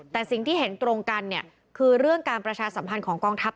แต่สิ่งที่เห็นตรงกันเนี่ยคือเรื่องการประชาสัมพันธ์ของกองทัพ